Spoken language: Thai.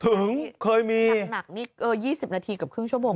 ถึงเคยมีหนักนี่เออยี่สิบนาทีกับครึ่งชั่วโมง